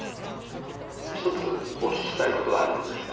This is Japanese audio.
ひとつお聞きしたい事があるのですが。